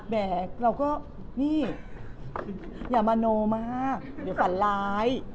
แบกเราก็นี่อย่ามโนมากเดี๋ยวฝันร้าย